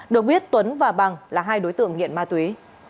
được biết tuấn và bằng là hai đối tượng nghiện ma túy